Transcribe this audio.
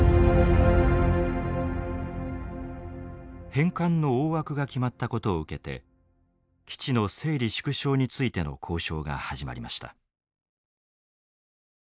返還の大枠が決まったことを受けて基地の整理縮小についての交渉が始まりました。